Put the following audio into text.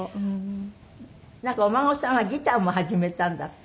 なんかお孫さんはギターも始めたんだって？